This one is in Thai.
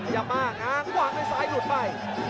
หล่างซายหลุดไป